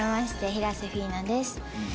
平瀬フィーナです。